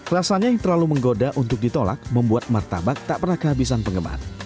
rasanya yang terlalu menggoda untuk ditolak membuat martabak tak pernah kehabisan penggemar